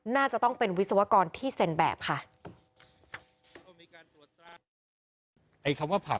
น่าจะต้องเป็นวิศวกรที่เซ็นแบบค่ะ